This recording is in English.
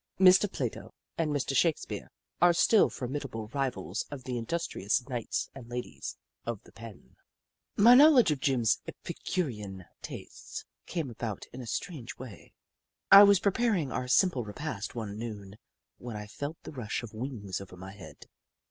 Mr. Plato and Mr. Shakespeare are still formidable rivals of the industrious knights and ladies of the pen. My knowledge of Jim's epicurean tastes came about in a strange way. I was pre paring our simple repast one noon, when I felt the rush of wings over my head.